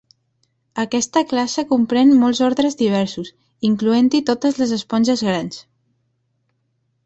Aquesta classe comprèn molts ordres diversos, incloent-hi totes les esponges grans.